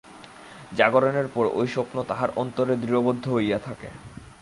জাগরণের পর ঐ স্বপ্ন তাহার অন্তরে দৃঢ়বদ্ধ হইয়া থাকে।